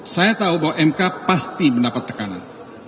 saya tahu bahwa mk pasti mendapat tekanan